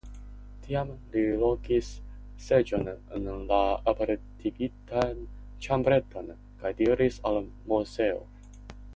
Tiam li lokis seĝon en la apartigitan ĉambreton kaj diris al Moseo.